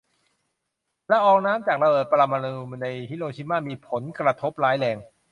ละอองน้ำจากระเบิดปรมาณูในฮิโรชิม่ามีผลกระทบร้ายแรง